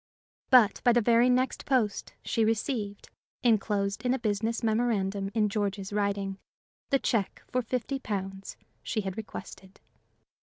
But by the very next post she received, inclosed in a business memorandum in George's writing, the check for fifty pounds she had requested.